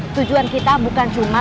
tujuan kita bukan cuma